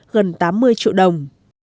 gần tám mươi triệu đồng